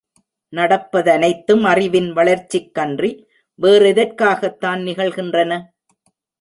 நடப்பதனைத்தும் அறிவின் வளர்ச்சிக்கன்றி வேறெதற்காகத்தான் நிகழ்கின்றன?